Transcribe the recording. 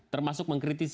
termasuk mengkritisi mereka